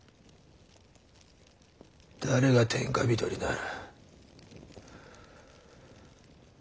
誰が天下人になる？